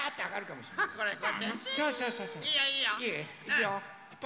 いいよ。